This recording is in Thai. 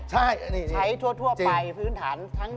ใช้ทั่วไปพื้นฐาน